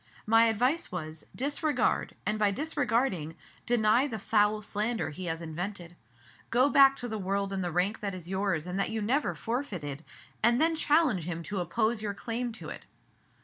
My advice was: Disregard, and, by disregarding, deny the foul slander he has invented. Go back to the world in the rank that is yours and that you never forfeited, and then challenge him to oppose your claim to it."